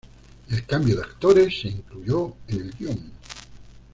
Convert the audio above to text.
El cambio de actores se incluyó en el guion.